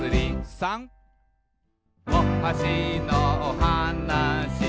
「おはしのおはなし」